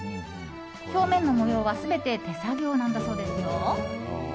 表面の模様は全て手作業なんだそうですよ。